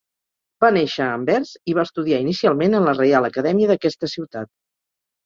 Va néixer a Anvers, i va estudiar inicialment a la Reial Acadèmia d'aquesta ciutat.